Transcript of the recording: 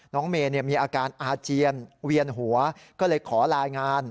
น้องเมย์มีอาการอาเจียนเวียนหัวก็เลยขอรายงาน